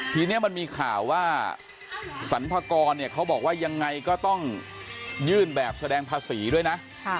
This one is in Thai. ทีนี้มันมีข่าวว่าสรรพากรเนี่ยเขาบอกว่ายังไงก็ต้องยื่นแบบแสดงภาษีด้วยนะ